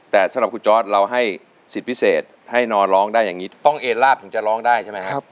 แต่สำหรับคุณจอร์ดเราให้สิทธิ์พิเศษให้นอนร้องได้อย่างนี้ต้องเอ็นลาบถึงจะร้องได้ใช่ไหมครับ